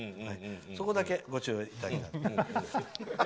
そこだけご注意いただきたい。